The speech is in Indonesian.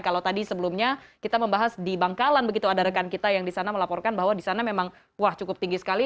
kalau tadi sebelumnya kita membahas di bangkalan begitu ada rekan kita yang di sana melaporkan bahwa di sana memang wah cukup tinggi sekali